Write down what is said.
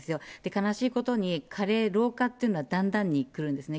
悲しいことに、加齢、老化っていうのは、だんだんにくるんですね。